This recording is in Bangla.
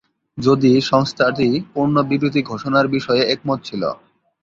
যদি সংস্থাটি পূর্ণ বিবৃতি ঘোষণার বিষয়ে একমত ছিলো।